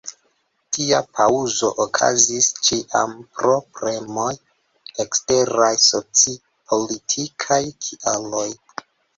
Tia paŭzo okazis ĉiam pro premoj, eksteraj, soci-politikaj kialoj.